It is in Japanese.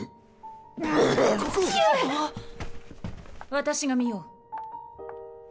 私が診よう。